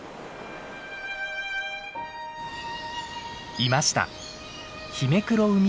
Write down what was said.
いました！